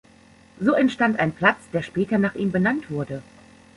So entstand ein Platz, der später nach ihm benannt wurde.